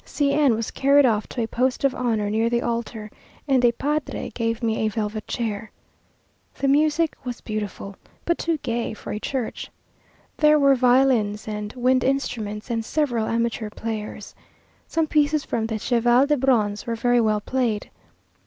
C n was carried off to a post of honour near the altar, and a padre gave me a velvet chair. The music was beautiful, but too gay for a church. There were violins and wind instruments, and several amateur players. Some pieces from the Cheval de Bronze were very well played.